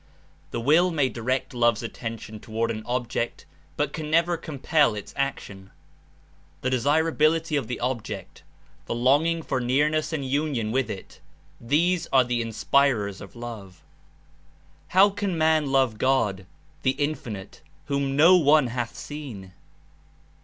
The will may direct love's attention toward an object but can never compel its action. The desirability of the object, the longing for nearness and union with It, these are the Inspirers of love. How can man love God, the Infinite, whom no one hath seen?